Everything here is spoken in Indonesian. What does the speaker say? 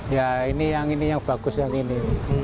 ya ini yang ini yang bagus yang ini